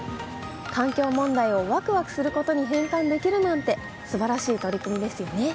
環境問題をワクワクすることに変換できるなんてすばらしい取り組みですよね。